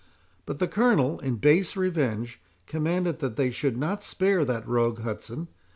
But the colonel, in base revenge, commanded that they should not spare that rogue Hudson.